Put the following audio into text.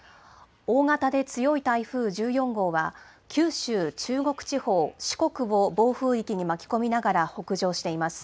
大型で強い台風１４号は、九州、中国地方、四国を暴風域に巻き込みながら北上しています。